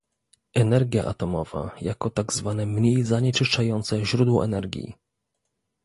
energia atomowa, jako tak zwane mniej zanieczyszczające źródło energii